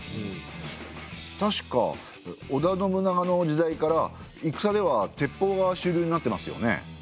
確か織田信長の時代から戦では鉄砲が主流になってますよね。